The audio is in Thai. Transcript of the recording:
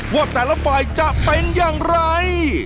ว่าแต่ละฝ่ายจะเป็นอย่างไร